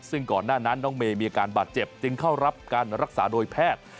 ซึ่งก่อนหน้านั้นน้องเมย์มีอาการบาดเจ็บจึงเข้ารับการรักษาโดยแพทย์